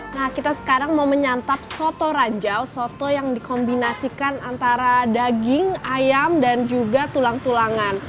nah kita sekarang mau menyantap soto ranjau soto yang dikombinasikan antara daging ayam dan juga tulang tulangan